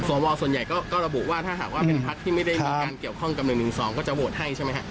ส่วนใหญ่ก็ระบุว่าถ้าหากว่าเป็นพักที่ไม่ได้มีการเกี่ยวข้องกับ๑๑๒ก็จะโหวตให้ใช่ไหมฮะ